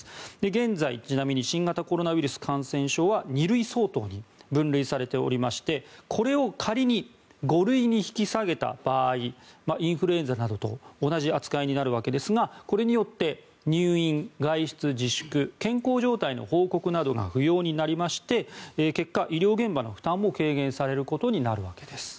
現在、ちなみに新型コロナウイルス感染症は２類相当に分類されておりましてこれを仮に５類に引き下げた場合インフルエンザなどと同じ扱いになるわけですがこれによって入院、外出自粛健康状態の報告などが不要になりまして結果、医療現場の負担も軽減されることになるわけです。